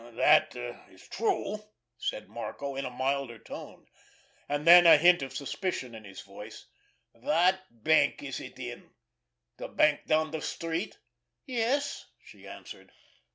"That is true!" said Marco, in a milder tone; and then, a hint of suspicion in his voice: "What bank is it in? The bank down the street?" "Yes," she answered.